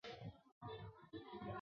避免掉了风险